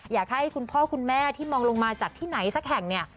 อยากให้คุณพ่อคุณแม่ที่มองลงมาจากที่ไหนสักแห่งเนี่ย